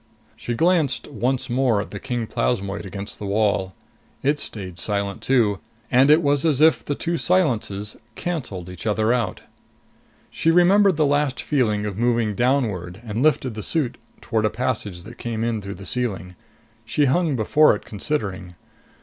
She glanced once more at the king plasmoid against the wall. It stayed silent too. And it was as if the two silences cancelled each other out. She remembered the last feeling of moving downward and lifted the suit toward a passage that came in through the ceiling. She hung before it, considering.